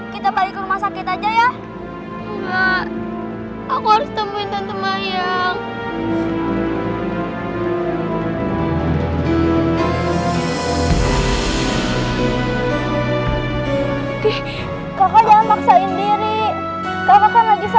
kita bisa ditemui kemana lagi